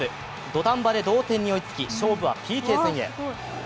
土壇場で同点に追いつき勝負はＰＫ戦へ。